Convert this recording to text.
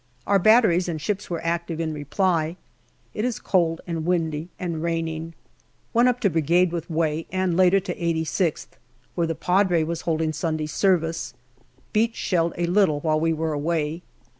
Our batteries and ships were active in reply. It is cold and windy and raining. 248 GALLIPOLI DIARY Went up to Brigade with Way, and later to 86th, where the Padre was holding Sunday service. Beach shelled a little while we were away.